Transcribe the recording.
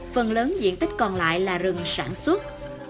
phần lớn diện tích còn lại là rừng sản xuất